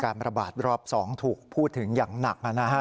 ระบาดรอบ๒ถูกพูดถึงอย่างหนักนะฮะ